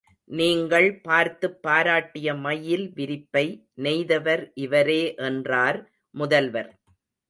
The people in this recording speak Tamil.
நீங்கள் பார்த்துப் பாராட்டிய மயில் விரிப்பை நெய்தவர் இவரே என்றார் முதல்வர்.